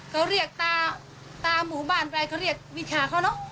เขาเรียกตามุหบ้านไปเรียกที่บีชาเขานะ